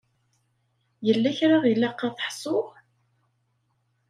Yella kra ilaq ad t-ḥsuɣ?